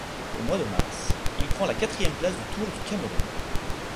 Au mois de mars, il prend la quatrième place du Tour du Cameroun.